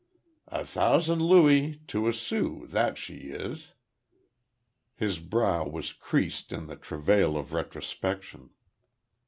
A thousand louis to a sou, that she is!" ... His brow was creased in the travail or retrospection.